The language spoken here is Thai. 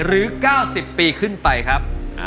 หรือ๙๐ปีขึ้นไปครับ